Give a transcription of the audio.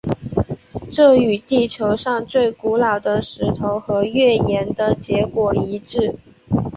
这与地球上的最古老的石头和月岩的结果一致。